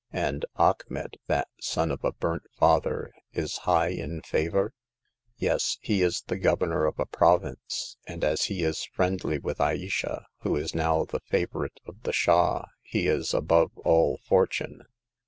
"And Achmet, that son of a burnt father, is high in favor ?"Yes ; he is the governor of a province, and as he is friendly with Ayesha, who is now the favorite of the Shah, he is above all fortune.